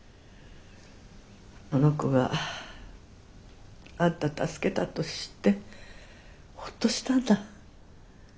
あの子があんたを助けたと知ってほっとしたんだ。